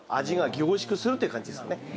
味が凝縮するという感じですね。